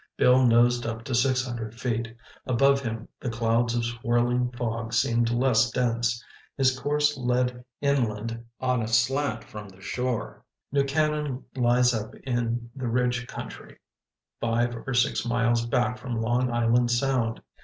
Bill nosed up to six hundred feet. Above him, the clouds of swirling fog seemed less dense. His course led inland on a slant from the shore. New Canaan lies up in the Ridge Country, five or six miles back from Long Island Sound.